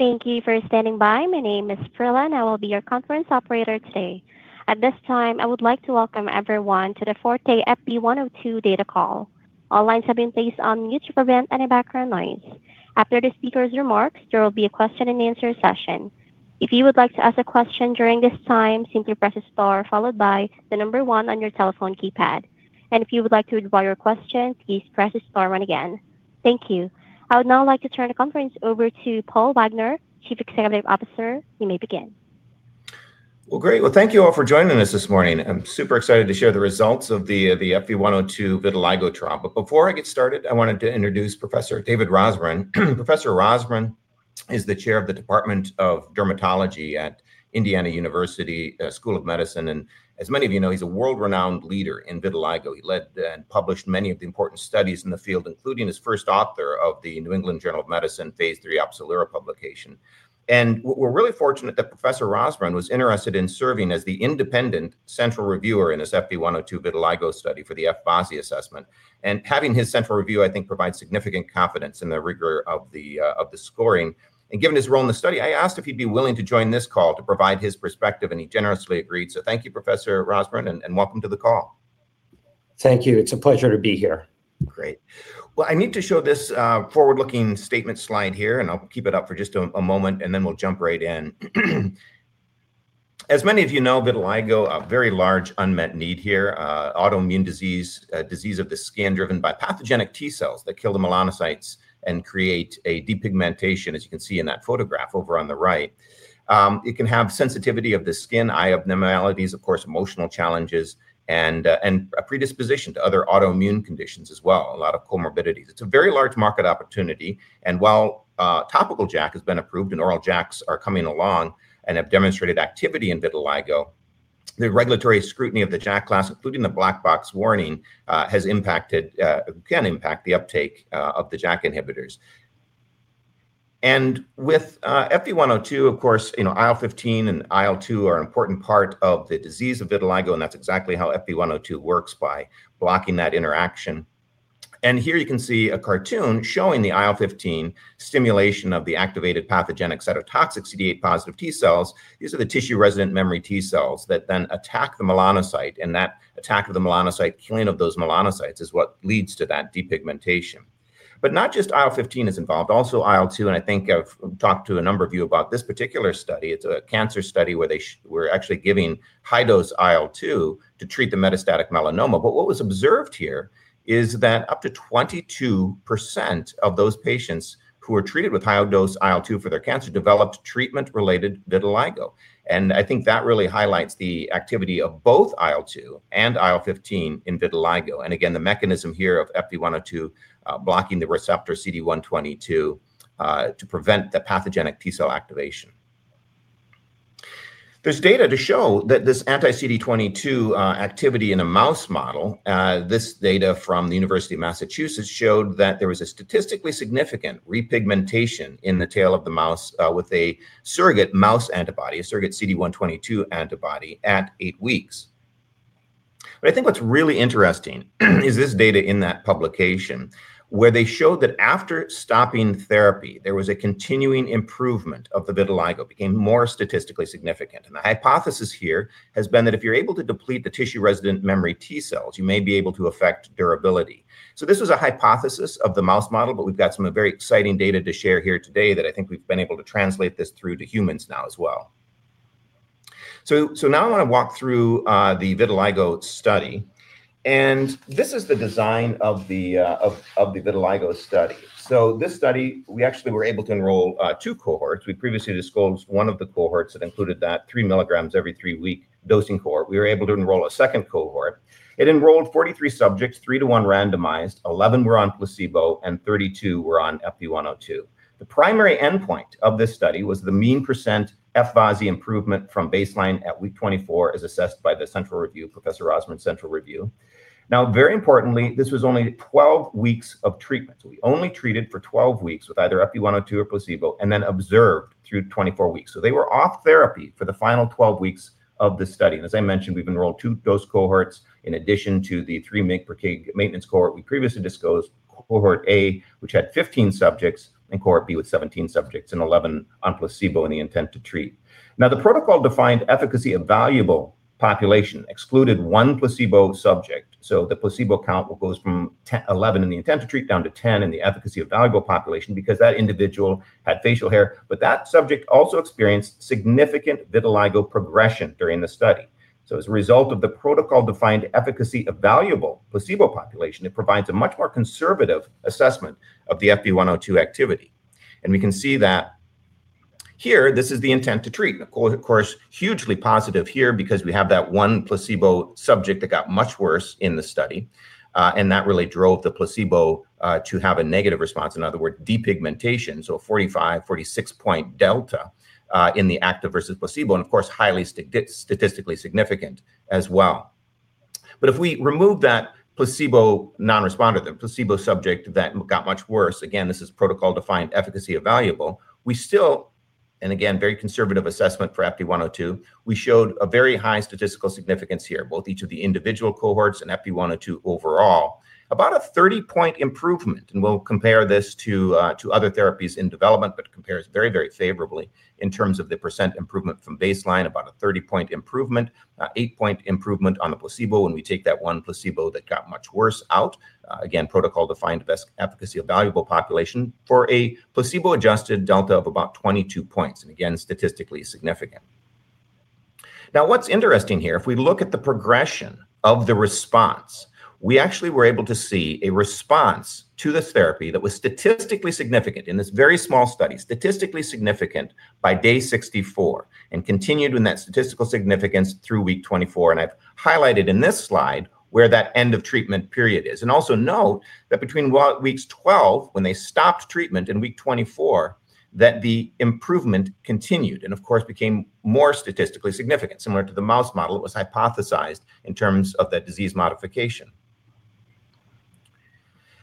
Thank you for standing by. My name is Prerna, and I will be your conference operator today. At this time, I would like to welcome everyone to the Forte FB102 Data Call. All lines have been placed on mute to prevent any background noise. After the speakers' remarks, there will be a question and answer session. If you would like to ask a question during this time, simply press star followed by the number one on your telephone keypad. If you would like to withdraw your question, please press star one again. Thank you. I would now like to turn the conference over to Paul Wagner, Chief Executive Officer. You may begin. Well, great. Well, thank you all for joining us this morning. I'm super excited to share the results of the FB102 vitiligo trial. Before I get started, I wanted to introduce Professor David Rosmarin. Professor Rosmarin is the Chair of the Department of Dermatology at Indiana University School of Medicine, and as many of you know, he's a world-renowned leader in vitiligo. He led and published many of the important studies in the field, including as first author of the "New England Journal of Medicine" phase III Opzelura publication. We're really fortunate that Professor Rosmarin was interested in serving as the independent central reviewer in this FB102 vitiligo study for the F-VASI assessment. Having his central review, I think, provides significant confidence in the rigor of the scoring. Given his role in the study, I asked if he'd be willing to join this call to provide his perspective, and he generously agreed. Thank you, Professor Rosmarin, and welcome to the call. Thank you. It's a pleasure to be here. Well, I need to show this forward-looking statement slide here. I'll keep it up for just a moment and then we'll jump right in. As many of you know, vitiligo, a very large unmet need here. Autoimmune disease, a disease of the skin driven by pathogenic T cells that kill the melanocytes and create a depigmentation, as you can see in that photograph over on the right. It can have sensitivity of the skin, eye abnormalities, of course, emotional challenges, and a predisposition to other autoimmune conditions as well. A lot of comorbidities. While topical JAK has been approved and oral JAKs are coming along and have demonstrated activity in vitiligo, the regulatory scrutiny of the JAK class, including the black box warning, can impact the uptake of the JAK inhibitors. With FB102, of course, IL-15 and IL-2 are an important part of the disease of vitiligo, and that's exactly how FB102 works by blocking that interaction. Here you can see a cartoon showing the IL-15 stimulation of the activated pathogenic cytotoxic CD8 positive T cells. These are the tissue-resident memory T cells that then attack the melanocyte, and that attack of the melanocyte, killing of those melanocytes is what leads to that depigmentation. Not just IL-15 is involved, also IL-2, and I think I've talked to a number of you about this particular study. It's a cancer study where they were actually giving high-dose IL-2 to treat the metastatic melanoma. What was observed here is that up to 22% of those patients who were treated with high-dose IL-2 for their cancer developed treatment-related vitiligo. I think that really highlights the activity of both IL-2 and IL-15 in vitiligo. Again, the mechanism here of FB102 blocking the receptor CD122 to prevent the pathogenic T cell activation. There's data to show this anti-CD122 activity in a mouse model. This data from the University of Massachusetts showed that there was a statistically significant repigmentation in the tail of the mouse with a surrogate mouse antibody, a surrogate CD122 antibody, at eight weeks. I think what's really interesting is this data in that publication, where they showed that after stopping therapy, there was a continuing improvement of the vitiligo. It became more statistically significant. The hypothesis here has been that if you're able to deplete the tissue-resident memory T cells, you may be able to affect durability. This was a hypothesis of the mouse model, but we've got some very exciting data to share here today that I think we've been able to translate this through to humans now as well. Now I want to walk through the vitiligo study. This is the design of the vitiligo study. This study, we actually were able to enroll two cohorts. We previously disclosed one of the cohorts that included that 3 mg every 3-week dosing cohort. We were able to enroll a second cohort. It enrolled 43 subjects, three to one randomized, 11 were on placebo, and 32 were on FB102. The primary endpoint of this study was the mean percent F-VASI improvement from baseline at week 24, as assessed by the central review, Professor Rosmarin's central review. Now, very importantly, this was only 12 weeks of treatment. We only treated for 12 weeks with either FB102 or placebo and then observed through 24 weeks. They were off therapy for the final 12 weeks of the study. As I mentioned, we've enrolled two dose cohorts in addition to the three maintenance cohorts we previously disclosed. Cohort A, which had 15 subjects, and cohort B with 17 subjects and 11 on placebo in the intent to treat. The protocol-defined efficacy evaluable population excluded one placebo subject. The placebo count goes from 11 in the intent to treat down to 10 in the efficacy evaluable population because that individual had facial hair. That subject also experienced significant vitiligo progression during the study. As a result of the protocol-defined efficacy evaluable placebo population, it provides a much more conservative assessment of the FB102 activity. We can see that here; this is the intent to treat. Of course, hugely positive here because we have that one placebo subject that got much worse in the study. That really drove the placebo to have a negative response. In other words, depigmentation. A 45, 46-point delta in the active versus placebo, of course, highly statistically significant as well. If we remove that placebo non-responder, the placebo subject that got much worse, again, this is protocol-defined efficacy evaluable. Again, very conservative assessment for FB102. We showed a very high statistical significance here, both each of the individual cohorts and FB102 overall. About a 30-point improvement. We'll compare this to other therapies in development, it compares very, very favorably in terms of the improvement from baseline, about a 30-point improvement, eight-point improvement on the placebo when we take that one placebo that got much worse out. Again, protocol-defined efficacy evaluable population for a placebo-adjusted delta of about 22 points. Again, statistically significant. What's interesting here, if we look at the progression of the response, we actually were able to see a response to the therapy that was statistically significant in this very small study, statistically significant by day 64, and continued in that statistical significance through week 24. I've highlighted in this slide where that end of treatment period is. Also note that between weeks 12, when they stopped treatment in week 24, that the improvement continued and of course became more statistically significant, similar to the mouse model it was hypothesized in terms of that disease modification.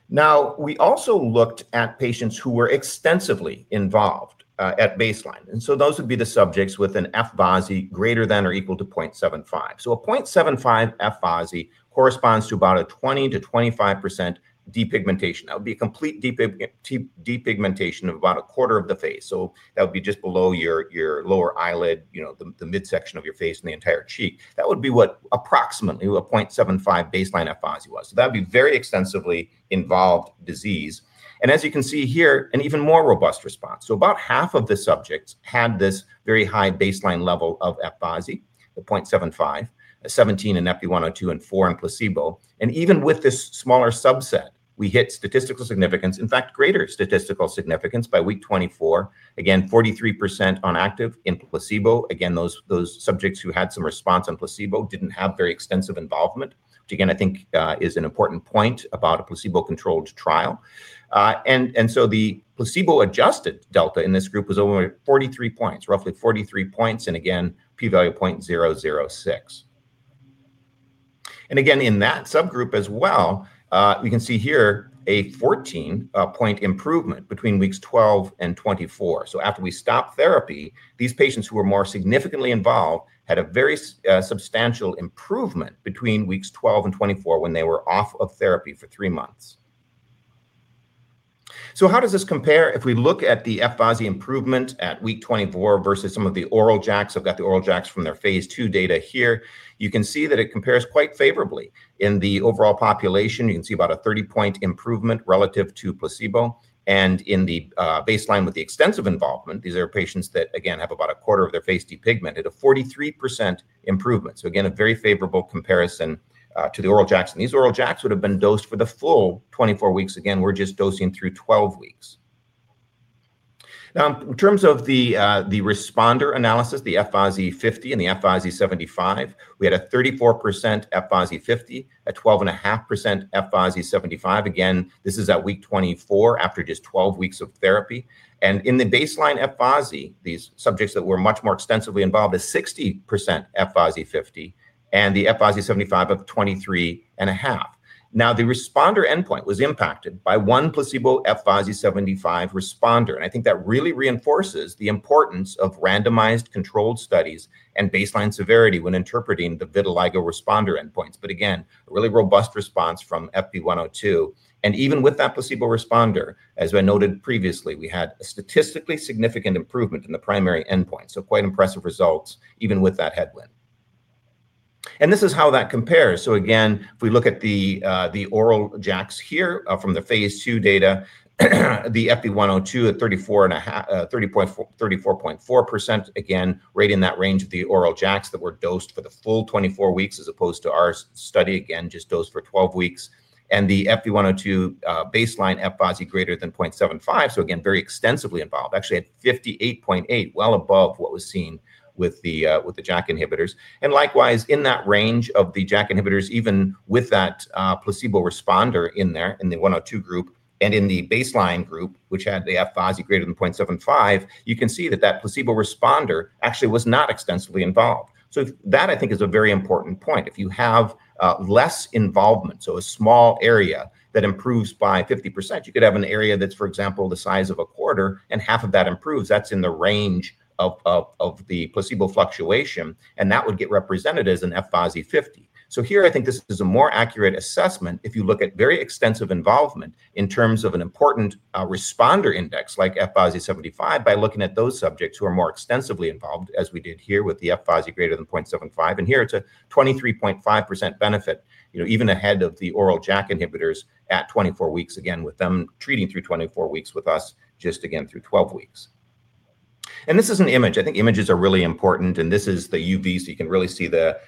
We also looked at patients who were extensively involved at baseline. Those would be the subjects with an F-VASI greater than or equal to 0.75. A 0.75 F-VASI corresponds to about a 20%-25% depigmentation. That would be a complete depigmentation of about a quarter of the face. That would be just below your lower eyelid, the midsection of your face, and the entire cheek. That would be what approximately a 0.75 baseline F-VASI was. That would be very extensively involved disease. As you can see here, an even more robust response. About half of the subjects had this very high baseline level of F-VASI, the 0.75, 17 in FB102 and 4 in placebo. Even with this smaller subset, we hit statistical significance. In fact, greater statistical significance by week 24. 43% on active in placebo. Those subjects who had some response on placebo didn't have very extensive involvement, which again, I think is an important point about a placebo-controlled trial. The placebo-adjusted delta in this group was only 43 points, roughly 43 points. P value 0.006. In that subgroup as well, we can see here a 14-point improvement between weeks 12 and 24. After we stop therapy, these patients who are more significantly involved had a very substantial improvement between weeks 12 and 24 when they were off of therapy for three months. How does this compare if we look at the F-VASI improvement at week 24 versus some of the oral JAKs? I've got the oral JAKs from their phase II data here. You can see that it compares quite favorably. In the overall population, you can see about a 30-point improvement relative to placebo. In the baseline with the extensive involvement, these are patients that, again, have about a quarter of their face depigmented, a 43% improvement. A very favorable comparison to the oral JAKs. These oral JAKs would have been dosed for the full 24 weeks. We're just dosing through 12 weeks. In terms of the responder analysis, the F-VASI 50 and the F-VASI 75, we had a 34% F-VASI 50, a 12.5% F-VASI 75. This is at week 24 after just 12 weeks of therapy. In the baseline F-VASI, these subjects that were much more extensively involved, a 60% F-VASI 50 and the F-VASI 75 of 23.5. The responder endpoint was impacted by one placebo F-VASI 75 responder. I think that really reinforces the importance of randomized controlled studies and baseline severity when interpreting the vitiligo responder endpoints. A really robust response from FB102. Even with that placebo responder, as I noted previously, we had a statistically significant improvement in the primary endpoint. Quite impressive results even with that headwind. This is how that compares. If we look at the oral JAKs here from the phase II data, the FB102 at 34.4%, again, right in that range of the oral JAKs that were dosed for the full 24 weeks as opposed to our study, again, just dosed for 12 weeks. The FB102 baseline F-VASI greater than 0.75, so again, very extensively involved, actually at 58.8, well above what was seen with the JAK inhibitors. Likewise, in that range of the JAK inhibitors, even with that placebo responder in there in the 102 group and in the baseline group, which had the F-VASI greater than 0.75, you can see that placebo responder actually was not extensively involved. That I think is a very important point. If you have less involvement, so a small area that improves by 50%, you could have an area that's, for example, the size of a quarter and half of that improves, that's in the range of the placebo fluctuation, and that would get represented as an F-VASI 50. Here, I think this is a more accurate assessment if you look at very extensive involvement in terms of an important responder index like F-VASI 75 by looking at those subjects who are more extensively involved as we did here with the F-VASI greater than 0.75. Here it's a 23.5% benefit, even ahead of the oral JAK inhibitors at 24 weeks, again, with them treating through 24 weeks, with us just again through 12 weeks. This is an image. I think images are really important. This is the UV, so you can really see the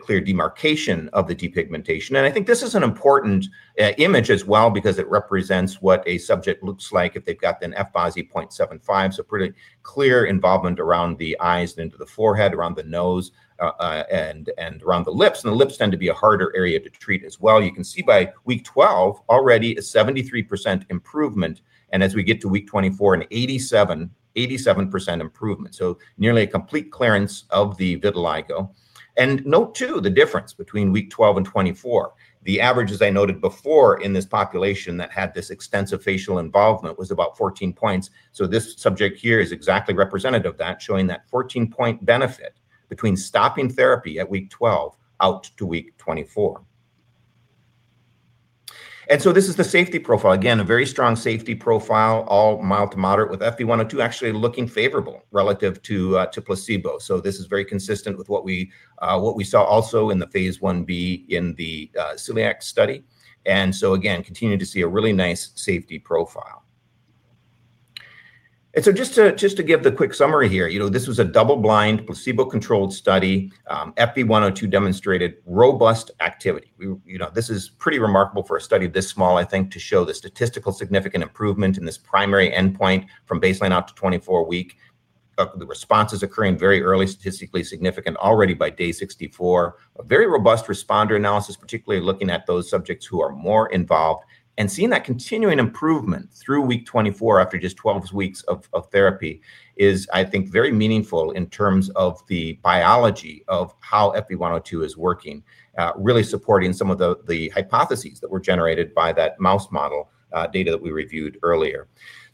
clear demarcation of the depigmentation. I think this is an important image as well because it represents what a subject looks like if they've got an F-VASI 0.75. Pretty clear involvement around the eyes and into the forehead, around the nose, and around the lips. The lips tend to be a harder area to treat as well. You can see by week 12, already a 73% improvement. As we get to week 24, an 87% improvement. Nearly a complete clearance of the vitiligo. Note too, the difference between week 12 and 24. The average, as I noted before in this population that had this extensive facial involvement, was about 14 points. This subject here is exactly representative of that, showing that 14-point benefit between stopping therapy at week 12 out to week 24. This is the safety profile. Again, a very strong safety profile, all mild to moderate, with FB102 actually looking favorable relative to placebo. This is very consistent with what we saw also in the phase I-B in the celiac study. Again, continue to see a really nice safety profile. Just to give the quick summary here. This was a double-blind, placebo-controlled study. FB102 demonstrated robust activity. This is pretty remarkable for a study this small, I think, to show the statistically significant improvement in this primary endpoint from baseline out to 24 week. The response is occurring very early, statistically significant already by day 64. A very robust responder analysis, particularly looking at those subjects who are more involved. Seeing that continuing improvement through week 24 after just 12 weeks of therapy is, I think, very meaningful in terms of the biology of how FB102 is working. Really supporting some of the hypotheses that were generated by that mouse model data that we reviewed earlier.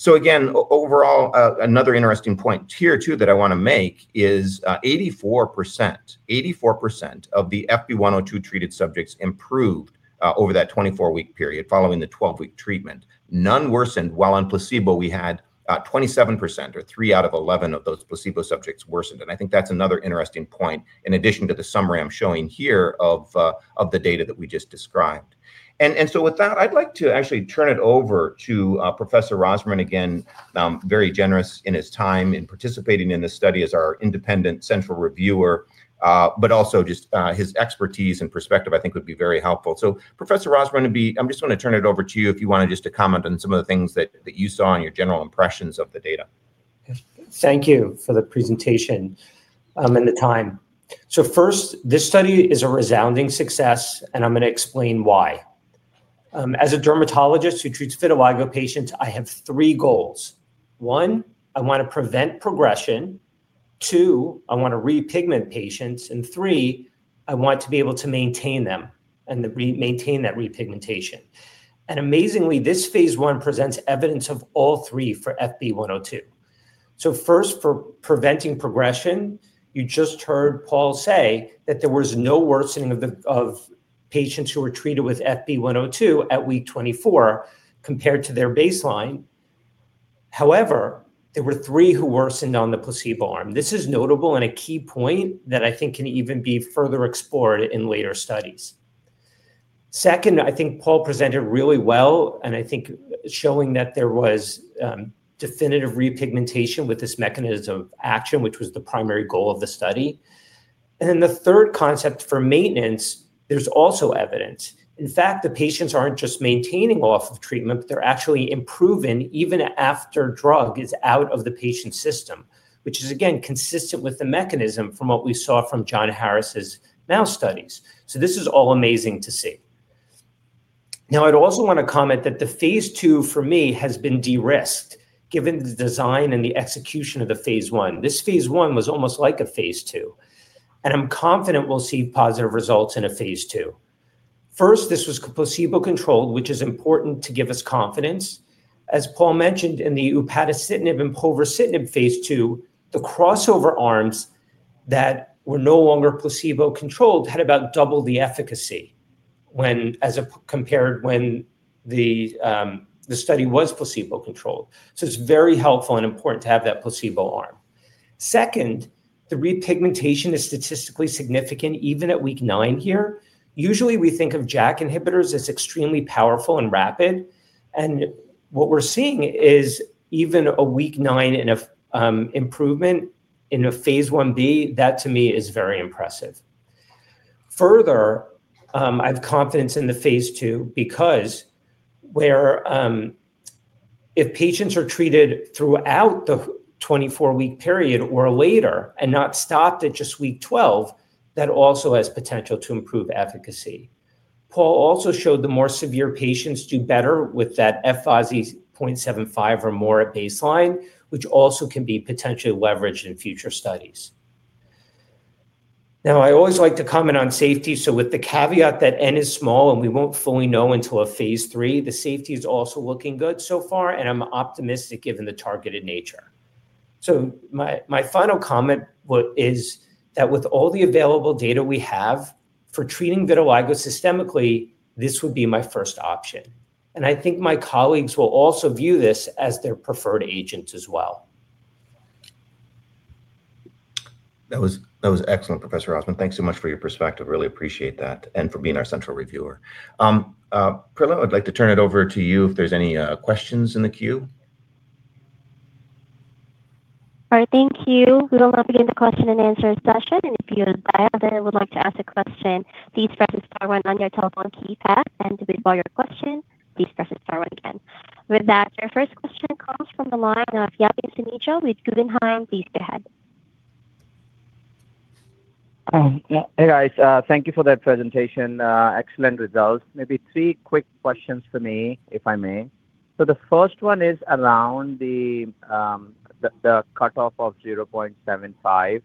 Again, overall, another interesting point here too that I want to make is 84%, 84% of the FB102 treated subjects improved over that 24-week period following the 12-week treatment. None worsened. While on placebo, we had 27% or three out of 11 of those placebo subjects worsened. I think that's another interesting point in addition to the summary I'm showing here of the data that we just described. With that, I'd like to actually turn it over to Professor Rosmarin again. Very generous in his time in participating in this study as our independent central reviewer. Also, just his expertise and perspective I think would be very helpful. Professor Rosmarin, I'm just going to turn it over to you if you want to just to comment on some of the things that you saw and your general impressions of the data. Thank you for the presentation and the time. First, this study is a resounding success, and I'm going to explain why. As a dermatologist who treats vitiligo patients, I have three goals. One, I want to prevent progression. Two, I want to repigment patients. Three, I want to be able to maintain them and maintain that repigmentation. Amazingly, this phase I presents evidence of all three for FB102. First, for preventing progression, you just heard Paul say that there was no worsening of patients who were treated with FB102 at week 24 compared to their baseline. However, there were three who worsened on the placebo arm. This is notable and a key point that I think can even be further explored in later studies. Second, I think Paul presented really well, and I think showing that there was definitive repigmentation with this mechanism of action, which was the primary goal of the study. The third concept for maintenance, there's also evidence. In fact, the patients aren't just maintaining off of treatment, but they're actually improving even after drug is out of the patient's system, which is again consistent with the mechanism from what we saw from John Harris's mouse studies. This is all amazing to see. Now, I'd also want to comment that the phase II for me has been de-risked given the design and the execution of the phase I. This phase I was almost like a phase II. I'm confident we'll see positive results in a phase II. First, this was placebo controlled, which is important to give us confidence. As Paul mentioned in the upadacitinib and povorcitinib phase II, the crossover arms that were no longer placebo controlled had about double the efficacy as compared when the study was placebo controlled. It's very helpful and important to have that placebo arm. Second, the repigmentation is statistically significant even at week 9 here. Usually, we think of JAK inhibitors as extremely powerful and rapid. What we're seeing is even a week 9 improvement in a phase I-B, that to me is very impressive. Further, I have confidence in the phase II because where if patients are treated throughout the 24-week period or later and not stopped at just week 12, that also has potential to improve efficacy. Paul also showed the more severe patients do better with that F-VASI 0.75 or more at baseline, which also can be potentially leveraged in future studies. Now, I always like to comment on safety, with the caveat that N is small and we won't fully know until a phase III, the safety is also looking good so far, and I'm optimistic given the targeted nature. My final comment is that with all the available data we have for treating vitiligo systemically, this would be my first option. I think my colleagues will also view this as their preferred agent as well. That was excellent, Professor Rosmarin. Thanks so much for your perspective. Really appreciate that and for being our central reviewer. Prerna, I'd like to turn it over to you if there's any questions in the queue. All right. Thank you. We will now begin the question and answer session. If you dial that would like to ask a question, please press star one on your telephone keypad, and to withdraw your question, please press star one again. With that, your first question comes from the line of Yatin Suneja. with Guggenheim. Please go ahead. Hey, guys. Thank you for that presentation. Excellent results. Maybe three quick questions for me, if I may. The first one is around the cutoff of 0.75.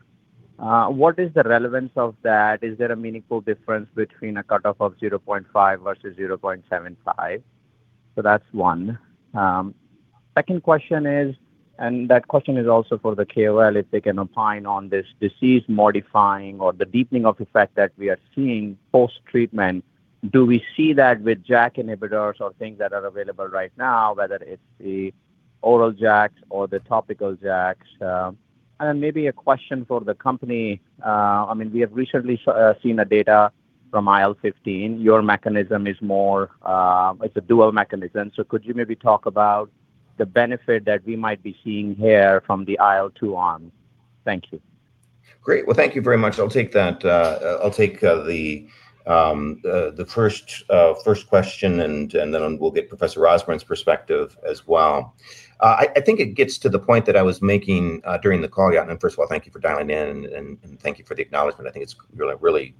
What is the relevance of that? Is there a meaningful difference between a cutoff of 0.5 versus 0.75? That's one. Second question is, that question is also for the KOL, if they can opine on this disease modifying or the deepening of effect that we are seeing post-treatment. Do we see that with JAK inhibitors or things that are available right now, whether it's the oral JAKs or the topical JAKs? Then maybe a question for the company. We have recently seen the data from IL-15. Your mechanism is a dual mechanism. Could you maybe talk about the benefit that we might be seeing here from the IL-2 arm? Thank you. Great. Well, thank you very much. I'll take the first question, then we'll get Professor Rosmarin's perspective as well. I think it gets to the point that I was making during the call. First of all, thank you for dialing in, thank you for the acknowledgement. I think it's really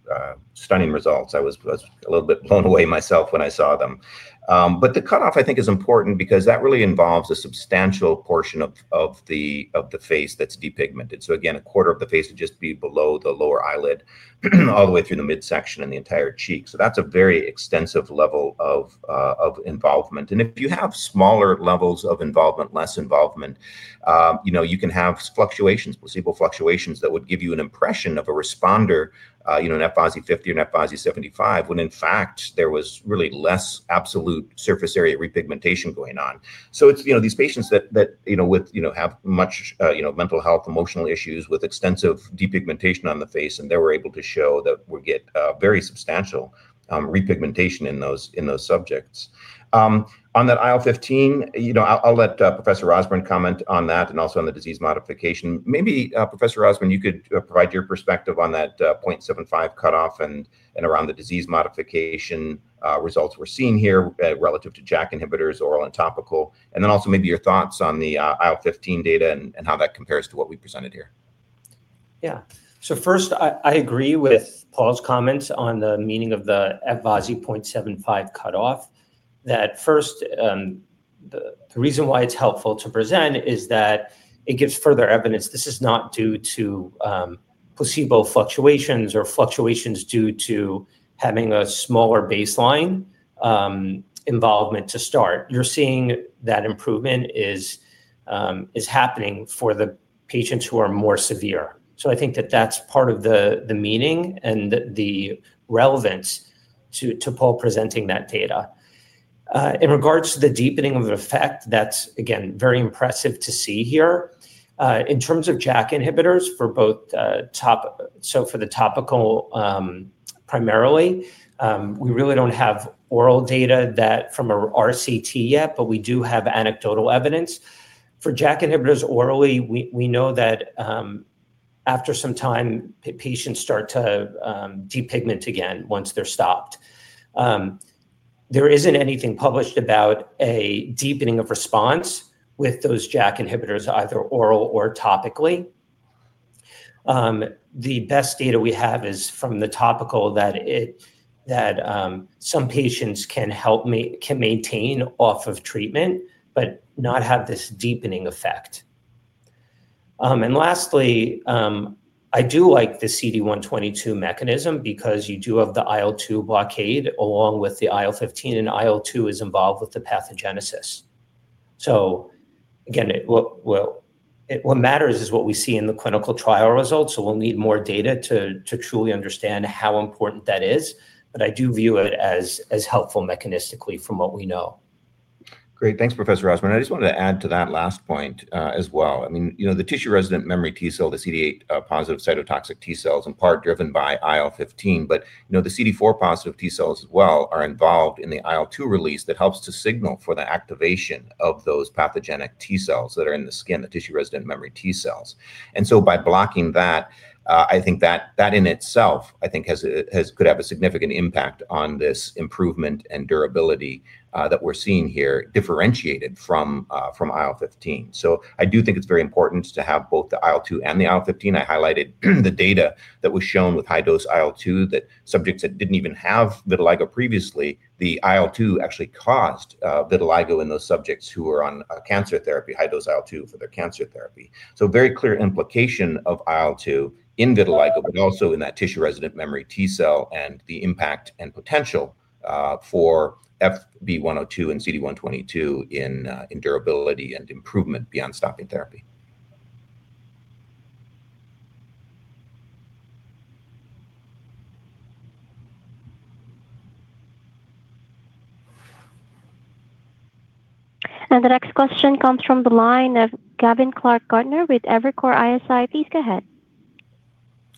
stunning results. I was a little bit blown away myself when I saw them. The cutoff I think is important because that really involves a substantial portion of the face that's depigmented. Again, a quarter of the face would just be below the lower eyelid, all the way through the midsection and the entire cheek. That's a very extensive level of involvement. If you have smaller levels of involvement, less involvement, you can have placebo fluctuations that would give you an impression of a responder, an F-VASI 50, an F-VASI 75, when in fact, there was really less absolute surface area repigmentation going on. So it's these patients that have much mental health, emotional issues with extensive depigmentation on the face, and there we're able to show that we get very substantial repigmentation in those subjects. On that IL-15, I'll let Professor Rosmarin comment on that and also on the disease modification. Maybe, Professor Rosmarin, you could provide your perspective on that 0.75 cutoff and around the disease modification results we're seeing here relative to JAK inhibitors, oral and topical. Then also maybe your thoughts on the IL-15 data and how that compares to what we presented here. First, I agree with Paul's comments on the meaning of the F-VASI 0.75 cutoff. That first, the reason why it's helpful to present is that it gives further evidence this is not due to placebo fluctuations or fluctuations due to having a smaller baseline involvement to start. You're seeing that improvement is happening for the patients who are more severe. So, I think that that's part of the meaning and the relevance to Paul presenting that data. In regards to the deepening of effect, that's, again, very impressive to see here. In terms of JAK inhibitors, so for the topical primarily, we really don't have oral data from a RCT yet, but we do have anecdotal evidence. For JAK inhibitors orally, we know that after some time, patients start to depigment again once they're stopped. There isn't anything published about a deepening of response with those JAK inhibitors, either oral or topically. The best data we have is from the topical that some patients can maintain off of treatment but not have this deepening effect. Lastly, I do like the CD122 mechanism because you do have the IL-2 blockade along with the IL-15, and IL-2 is involved with the pathogenesis. So again, what matters is what we see in the clinical trial results, so we'll need more data to truly understand how important that is. But I do view it as helpful mechanistically from what we know. Great. Thanks, Professor Rosmarin. I just wanted to add to that last point as well. The tissue-resident memory T cell, the CD8 positive cytotoxic T cells, in part driven by IL-15. But the CD4 positive T cells as well are involved in the IL-2 release that helps to signal for the activation of those pathogenic T cells that are in the skin, the tissue-resident memory T cells. So by blocking that, I think that in itself could have a significant impact on this improvement and durability that we're seeing here differentiated from IL-15. So, I do think it's very important to have both the IL-2 and the IL-15. I highlighted the data that was shown with high-dose IL-2, that subjects that didn't even have vitiligo previously, the IL-2 actually caused vitiligo in those subjects who were on cancer therapy, high-dose IL-2 for their cancer therapy. Very clear implication of IL-2 in vitiligo, but also in that tissue-resident memory T cell and the impact and potential for FB102 and CD122 in durability and improvement beyond stopping therapy. The next question comes from the line of Gavin Clark-Gardner with Evercore ISI. Please go ahead.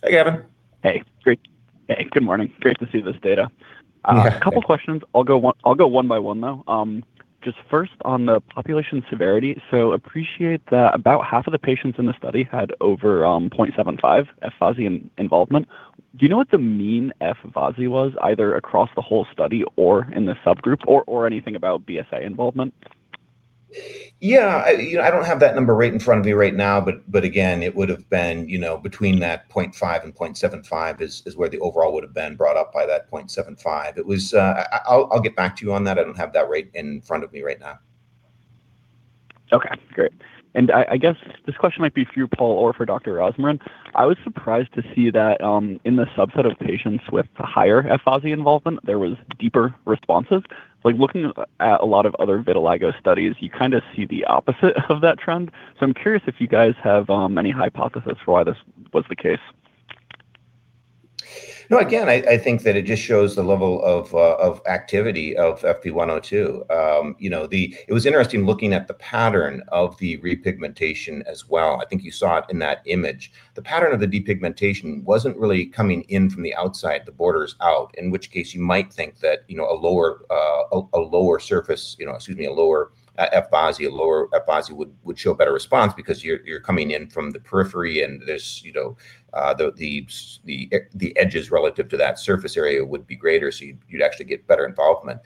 Hey, Gavin. Hey. Good morning. Great to see this data. Yeah. Thanks. A couple questions. I'll go one by one, though. Just first on the population severity. Appreciate that about half of the patients in the study had over 0.75 F-VASI involvement. Do you know what the mean F-VASI was, either across the whole study or in the subgroup, or anything about BSA involvement? Yeah. I don't have that number right in front of me right now, but again, it would've been between that 0.5 and 0.75 is where the overall would've been brought up by that 0.75. I'll get back to you on that. I don't have that right in front of me right now. Okay, great. I guess this question might be for you, Paul, or for Dr. Rosmarin. I was surprised to see that in the subset of patients with higher F-VASI involvement, there was deeper responses. Like, looking at a lot of other vitiligo studies, you kind of see the opposite of that trend. I'm curious if you guys have any hypothesis for why this was the case. Again, I think that it just shows the level of activity of FB102. It was interesting looking at the pattern of the repigmentation as well. I think you saw it in that image. The pattern of the depigmentation wasn't really coming in from the outside, the borders out, in which case you might think that a lower surface, excuse me, a lower F-VASI would show better response because you're coming in from the periphery and the edges relative to that surface area would be greater, so you'd actually get better involvement.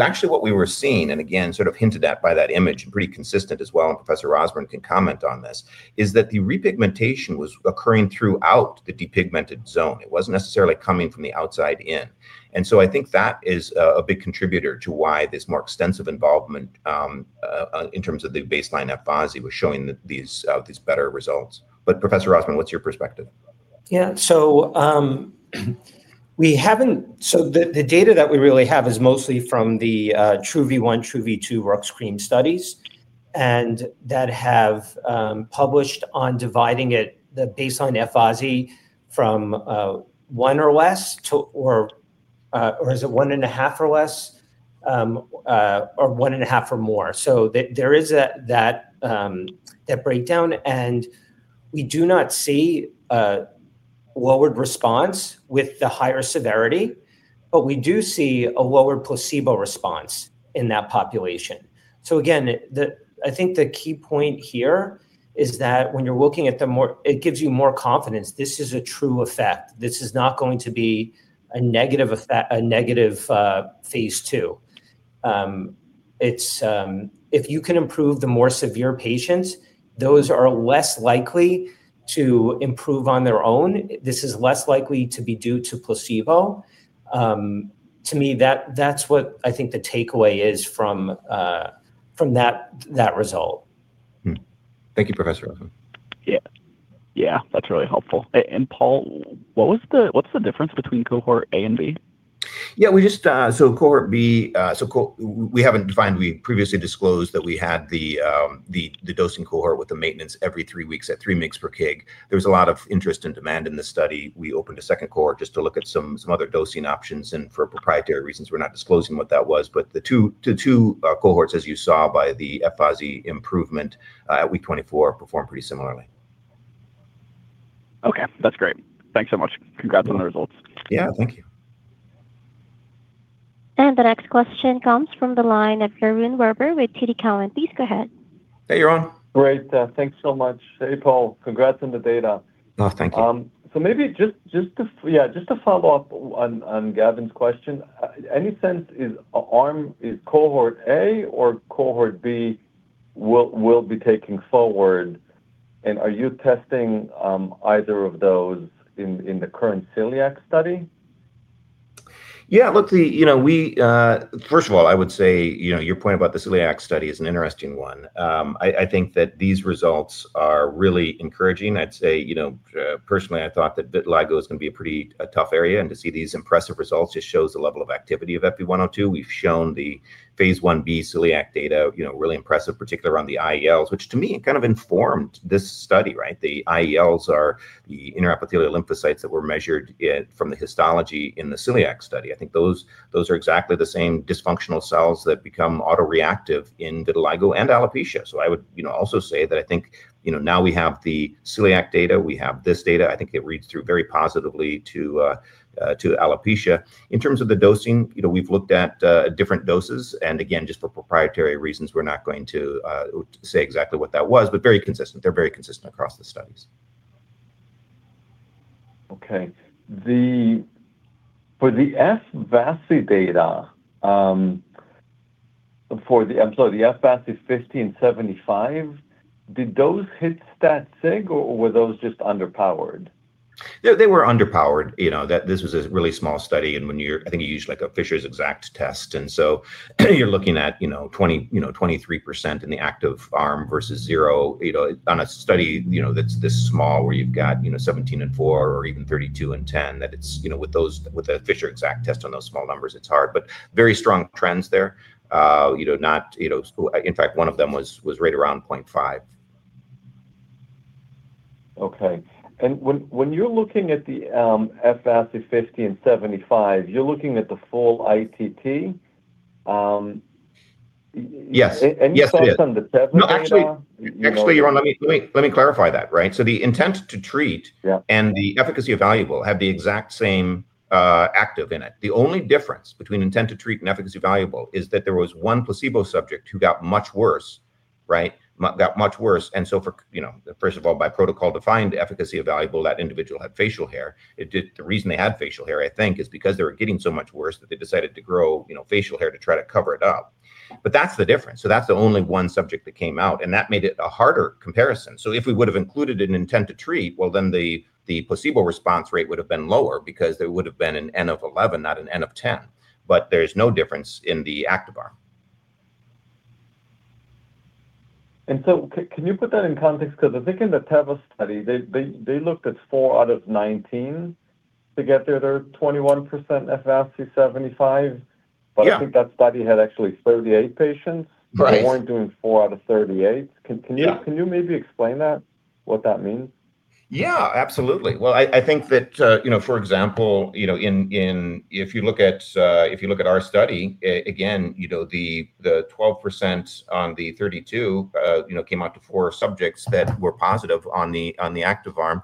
Actually, what we were seeing, and again, sort of hinted at by that image, and pretty consistent as well, and Professor Rosmarin can comment on this, is that the repigmentation was occurring throughout the depigmented zone. It wasn't necessarily coming from the outside in. I think that is a big contributor to why there's more extensive involvement, in terms of the baseline F-VASI was showing these better results. Professor Rosmarin, what's your perspective? The data that we really have is mostly from the TRuE-V1, TRuE-V2 rock screen studies, and that have published on dividing it, the baseline F-VASI from one or less, or is it one and a half or less, or one and a half or more. There is that breakdown, and we do not see a lowered response with the higher severity, but we do see a lower placebo response in that population. Again, I think the key point here is that when you're looking at It gives you more confidence. This is a true effect. This is not going to be a negative phase II. If you can improve the more severe patients, those are less likely to improve on their own. This is less likely to be due to placebo. To me, that's what I think the takeaway is from that result. Thank you, Professor Rosmarin. Yeah. That's really helpful. Paul, what's the difference between cohort A and B? Yeah. Cohort B, we haven't defined. We previously disclosed that we had the dosing cohort with the maintenance every three weeks at 3 mgs per kg. There was a lot of interest and demand in this study. We opened a second cohort just to look at some other dosing options. For proprietary reasons, we're not disclosing what that was. The two cohorts, as you saw by the FASI improvement at week 24, performed pretty similarly. Okay. That's great. Thanks so much. Congrats on the results. Yeah. Thank you. The next question comes from the line of Yaron Werber with TD Cowen. Please go ahead. Hey, Yaron. Great. Thanks so much. Hey, Paul. Congrats on the data. Oh, thank you. Maybe just to follow up on Gavin's question. Any sense is cohort A or cohort B will be taken forward, and are you testing either of those in the current celiac study? First of all, I would say, your point about the celiac study is an interesting one. I think that these results are really encouraging. I'd say, personally, I thought that vitiligo is going to be a pretty tough area, and to see these impressive results just shows the level of activity of FB102. We've shown the phase I-B celiac data, really impressive, particularly around the IELs, which to me kind of informed this study, right? The IELs are the intraepithelial lymphocytes that were measured from the histology in the celiac study. I think those are exactly the same dysfunctional cells that become autoreactive in vitiligo and alopecia. I would also say that I think now we have the celiac data, we have this data, I think it reads through very positively to alopecia. In terms of the dosing, we've looked at different doses, and again, just for proprietary reasons, we're not going to say exactly what that was, but very consistent. They're very consistent across the studies. Okay. For the F-VASI data, so the F-VASI 50 and 75, did those hit stat sig or were those just underpowered? They were underpowered. This was a really small study. When you're I think you used like a Fisher's exact test. You're looking at 23% in the active arm versus zero on a study that's this small where you've got 17 and four or even 32 and 10, that with a Fisher's exact test on those small numbers, it's hard. Very strong trends there. In fact, one of them was right around 0.5. Okay. When you're looking at the F-VASI 50 and 75, you're looking at the full ITT? Yes. You saw some of the 70 data? No, actually, Yaron, let me clarify that, right? The intent to treat. Yeah The efficacy evaluable have the exact same active in it. The only difference between intent to treat and efficacy evaluable is that there was one placebo subject who got much worse. Got much worse. First of all, by protocol defined efficacy evaluable, that individual had facial hair. The reason they had facial hair, I think, is because they were getting so much worse that they decided to grow facial hair to try to cover it up. That's the difference. That's the only one subject that came out, and that made it a harder comparison. If we would've included an intent to treat, well, then the placebo response rate would've been lower because there would've been an N of 11, not an N of 10. There's no difference in the active arm. Can you put that in context? Because I think in the Teva study, they looked at four out of 19 to get to their 21% F-VASI 75. Yeah. I think that study had actually 38 patients. Right. They weren't doing four out of 38. Yeah. Can you maybe explain that, what that means? Absolutely. Well, I think that, for example if you look at our study, again, the 12% on the 32 came out to four subjects that were positive on the active arm.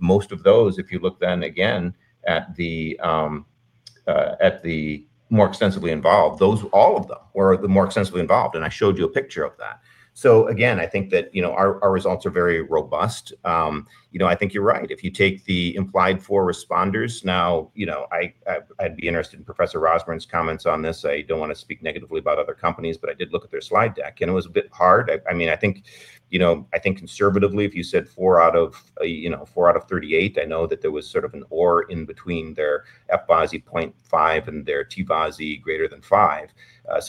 Most of those, if you look then again at the more extensively involved, all of them were the more extensively involved. I showed you a picture of that. Again, I think that our results are very robust. I think you're right. If you take the implied four responders, now, I'd be interested in Professor Rosmarin's comments on this. I don't want to speak negatively about other companies, but I did look at their slide deck, and it was a bit hard. I think conservatively, if you said four out of 38, I know that there was sort of an or in between their F-VASI 0.5 and their T-VASI greater than five.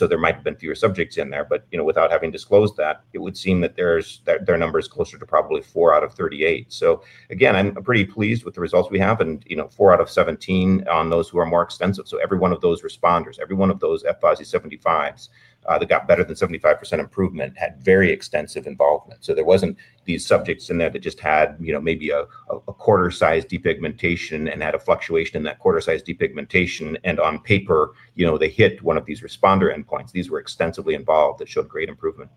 There might have been fewer subjects in there. Without having disclosed that, it would seem that their number is closer to probably four out of 38. Again, I'm pretty pleased with the results we have and four out of 17 on those who are more extensive. Every one of those responders, every one of those F-VASI 75s, that got better than 75% improvement, had very extensive involvement. There wasn't these subjects in there that just had maybe a quarter-size depigmentation and had a fluctuation in that quarter-size depigmentation. On paper, they hit one of these responder endpoints. These were extensively involved that showed great improvement.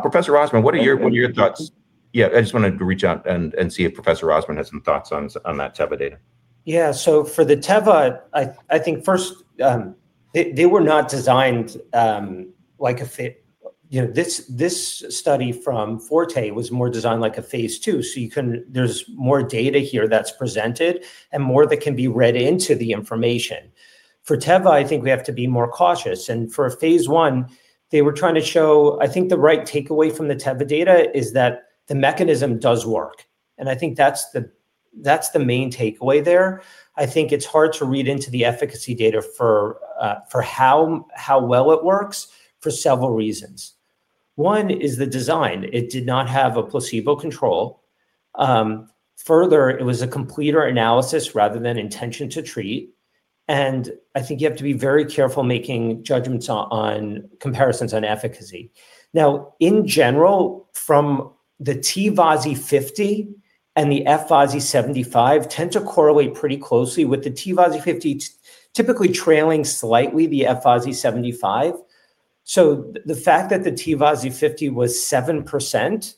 Professor Rosmarin, what are your thoughts? I just wanted to reach out and see if Professor Rosmarin had some thoughts on that Teva data. For the Teva, I think first, they were not designed like a phase. This study from Forte was more designed like a phase II. There's more data here that's presented and more that can be read into the information. For Teva, I think we have to be more cautious. For phase I, they were trying to show, I think the right takeaway from the Teva data is that the mechanism does work. I think that's the main takeaway there. I think it's hard to read into the efficacy data for how well it works for several reasons. One is the design. It did not have a placebo control. Further, it was a completer analysis rather than intention to treat. I think you have to be very careful making judgments on comparisons on efficacy. In general, from the T-VASI 50 and the F-VASI 75 tend to correlate pretty closely, with the T-VASI 50 typically trailing slightly the F-VASI 75. The fact that the T-VASI 50 was 7%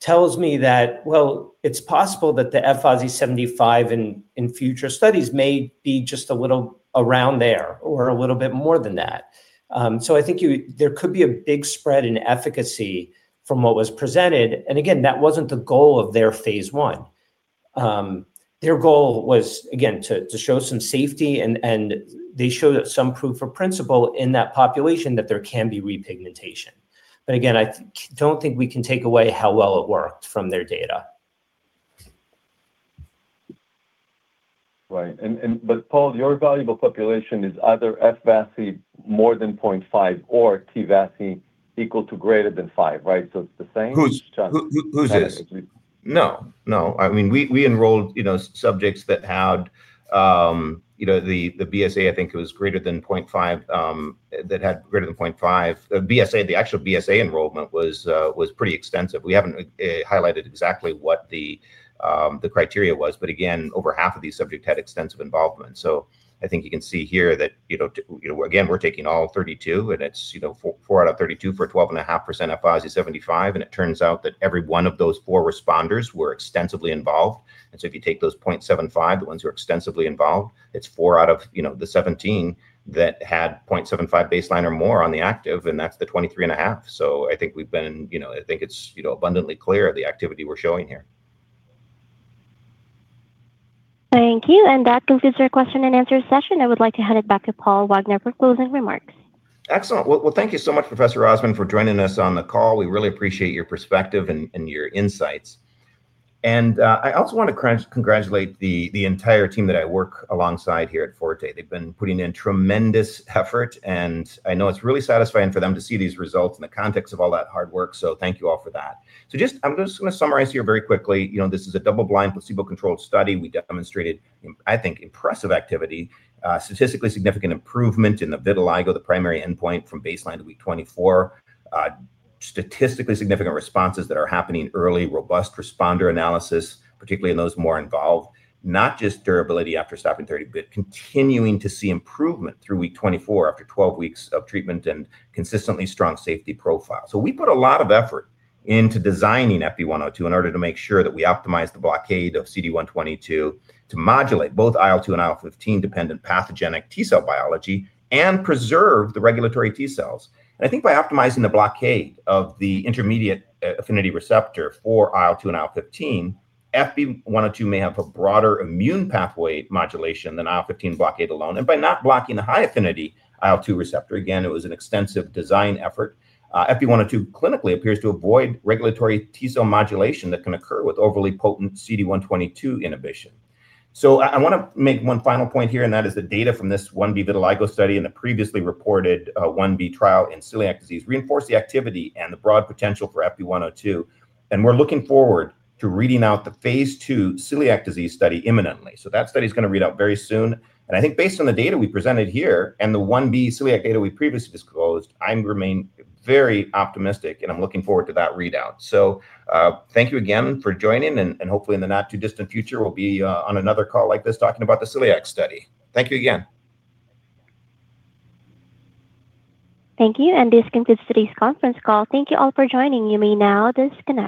tells me that, well, it's possible that the F-VASI 75 in future studies may be just a little around there or a little bit more than that. I think there could be a big spread in efficacy from what was presented. Again, that wasn't the goal of their phase I. Their goal was, again, to show some safety, and they showed some proof for principle in that population that there can be repigmentation. Again, I don't think we can take away how well it worked from their data. Right. Paul, your evaluable population is either F-VASI more than 0.5 or T-VASI equal to greater than five, right? It's the same? Who's this? No. I mean, we enrolled subjects that had the BSA, I think it was greater than 0.5, that had greater than 0.5. The actual BSA enrollment was pretty extensive. We haven't highlighted exactly what the criteria was. Again, over half of these subjects had extensive involvement. I think you can see here that, again, we're taking all 32, and it's 4 out of 32 for 12.5% F-VASI 75. It turns out that every one of those four responders were extensively involved. If you take those 0.75, the ones who are extensively involved, it's 4 out of the 17 that had 0.75 baseline or more on the active, and that's the 23.5. I think it's abundantly clear the activity we're showing here. Thank you. That concludes your question and answer session. I would like to hand it back to Paul Wagner for closing remarks. Excellent. Well, thank you so much, Professor Rosmarin, for joining us on the call. We really appreciate your perspective and your insights. I also want to congratulate the entire team that I work alongside here at Forte. They've been putting in tremendous effort, and I know it's really satisfying for them to see these results in the context of all that hard work, so thank you all for that. I'm just going to summarize here very quickly. This is a double-blind, placebo-controlled study. We demonstrated, I think, impressive activity, statistically significant improvement in the vitiligo, the primary endpoint from baseline to week 24. Statistically significant responses that are happening early, robust responder analysis, particularly in those more involved. Not just durability after stopping therapy, but continuing to see improvement through week 24 after 12 weeks of treatment, and consistently strong safety profile. We put a lot of effort into designing FB102 in order to make sure that we optimize the blockade of CD122 to modulate both IL-2 and IL-15-dependent pathogenic T cell biology and preserve the regulatory T cells. I think by optimizing the blockade of the intermediate affinity receptor for IL-2 and IL-15, FB102 may have a broader immune pathway modulation than IL-15 blockade alone. By not blocking the high affinity IL-2 receptor, again, it was an extensive design effort. FB102 clinically appears to avoid regulatory T cell modulation that can occur with overly potent CD122 inhibition. I want to make one final point here, and that is the data from this I-B vitiligo study and the previously reported I-B trial in celiac disease reinforce the activity and the broad potential for FB102, we're looking forward to reading out the phase II celiac disease study imminently. That study's going to read out very soon. I think based on the data we presented here and the I-B celiac data we previously disclosed, I remain very optimistic, and I'm looking forward to that readout. Thank you again for joining, and hopefully in the not-too-distant future, we'll be on another call like this talking about the celiac study. Thank you again. Thank you. This concludes today's conference call. Thank you all for joining. You may now disconnect